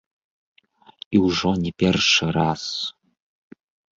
І ўжо не ў першы раз.